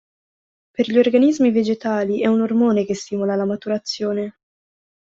Per gli organismi vegetali è un ormone che stimola la maturazione.